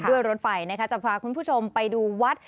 รถไฟนะคะจะพาคุณผู้ชมไปดูวัด